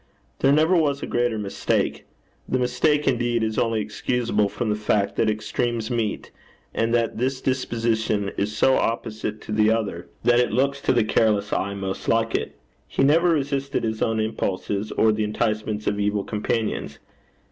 There never was a greater mistake. The mistake, indeed, is only excusable from the fact that extremes meet, and that this disposition is so opposite to the other, that it looks to the careless eye most like it. He never resisted his own impulses, or the enticements of evil companions.